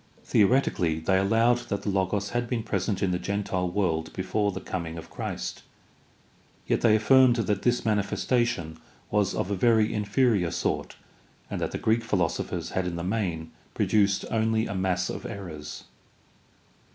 The oretically they allowed that the Logos had been present in the gentile world before the coming of Christ, yet they affirmed that this manifestation was of a very inferior sort and that the Greek philosophers had in the main produced only a mass of errors.